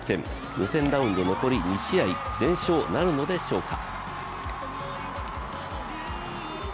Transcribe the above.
予選ラウンド残り２試合全勝なるのでしょうか？